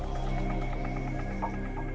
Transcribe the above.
dan menjaga keseimbangan kehidupan